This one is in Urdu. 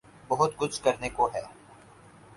بہت کچھ کرنے کو ہے۔